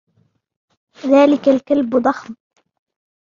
ذلك الكلب ضخم.